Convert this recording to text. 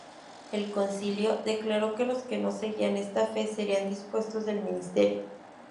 El Concilio declaró que los que no seguían esta Fe serían depuestos del ministerio.